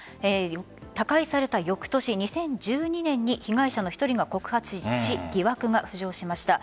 他界された翌年２０１２年に被害者の１人が告発し疑惑が浮上しました。